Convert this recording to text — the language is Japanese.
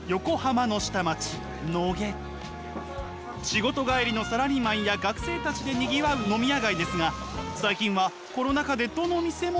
仕事帰りのサラリーマンや学生たちでにぎわう飲み屋街ですが最近はコロナ禍でどの店も大変なようです。